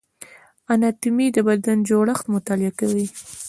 اناتومي د بدن جوړښت مطالعه کوي